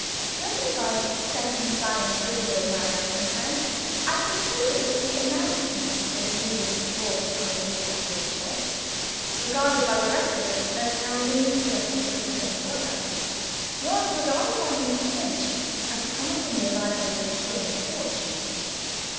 Judging by certain signs visible in my reverend friend, I concluded that the announcement of Nugent Dubourg's coming visit to Dimchurch regarded by the rest of us as heralding the appearance of a twin brother was regarded by Mr. Finch as promising the arrival of a twin fortune.